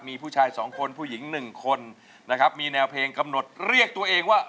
มีผู้ชายสองคนผู้หญิง๑คนนะครับมีแนวเพลงกำหนดเรียกตัวเองว่า